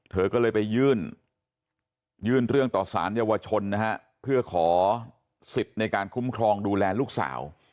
เธอก็เลยไปยื่นยื่นเรื่องต่อสารเยาวชนนะฮะเพื่อขอสิทธิ์ในการคุ้มครองดูแลลูกสาว